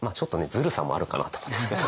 ズルさもあるかなと思うんですけど。